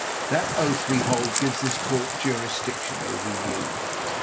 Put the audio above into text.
That oath we hold gives this court jurisdiction over you."